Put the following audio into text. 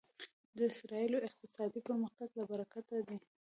د اسرایلو اقتصادي پرمختګ له برکته دی.